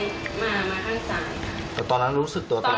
แต่ตอนนั้นรู้สึกตัวตลอดใช่ไหมครับตอนนั้นรู้สึกตัวเต็มที่เลยค่ะ